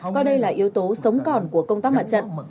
coi đây là yếu tố sống còn của công tác mặt trận